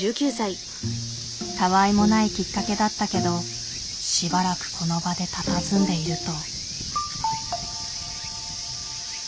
たわいもないきっかけだったけどしばらくこの場でたたずんでいると。